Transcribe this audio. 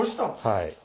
はい。